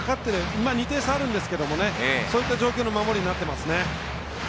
今、２点差あるんですけれどもそういった状況の守りになっていますね。